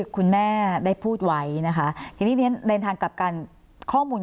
คุณแม่ได้พูดไว้นะคะทีนี้ในทางกลับกันข้อมูล